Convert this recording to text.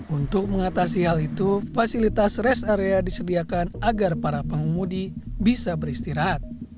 untuk mengatasi hal itu fasilitas rest area disediakan agar para pengemudi bisa beristirahat